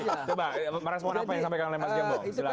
coba merespon apa yang disampaikan oleh mas gembong